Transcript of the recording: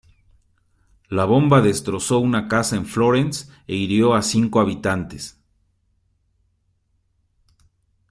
La bomba destrozó una casa en Florence e hirió a cinco habitantes.